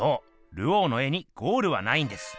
ルオーの絵にゴールはないんです。